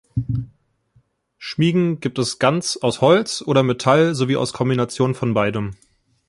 Schmiegen gibt es ganz aus Holz oder Metall sowie aus Kombination von beidem.